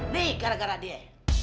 nih gara gara dia